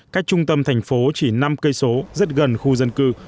cách trung tâm thành phố chỉ năm cây số rất gần khu dân cư